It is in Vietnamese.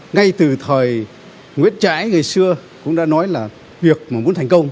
ngay từ thời nguyễn trãi ngày xưa cũng đã nói là việc mà muốn thành công